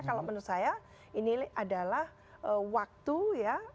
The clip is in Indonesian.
kalau menurut saya ini adalah waktu ya